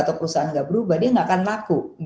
atau perusahaan gak berubah dia gak akan laku